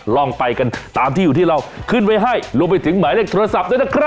ลองไปกันตามที่อยู่ที่เราขึ้นไว้ให้รวมไปถึงหมายเลขโทรศัพท์ด้วยนะครับ